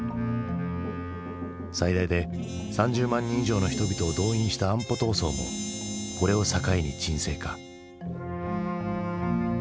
最大で３０万人以上の人々を動員した安保闘争もこれを境に沈静化。